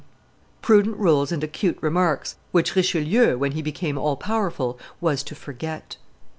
] Prudent rules and acute remarks, which Richelieu, when he became all powerful, was to forget.